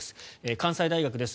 関西大学です。